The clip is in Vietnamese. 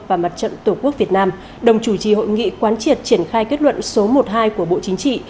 và mặt trận tổ quốc việt nam đồng chủ trì hội nghị quán triệt triển khai kết luận số một mươi hai của bộ chính trị